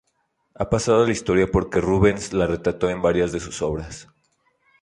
Ha pasado a la historia porque Rubens la retrató en varias de sus obras.